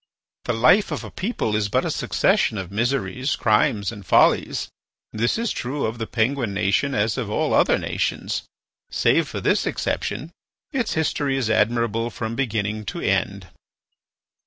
"The life of a people is but a succession of miseries, crimes, and follies. This is true of the Penguin nation, as of all other nations. Save for this exception its history is admirable from beginning to end."